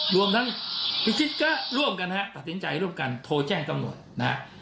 รวมทั้งพิชิตก็ร่วมกันฮะตัดสินใจร่วมกันโทรแจ้งตำรวจนะฮะ